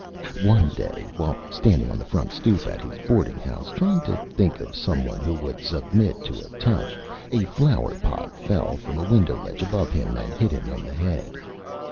One day, while standing on the Front Stoop at his Boarding House, trying to think of some one who would submit to a Touch, a Flower Pot fell from a Window Ledge above him, and hit him on the Head.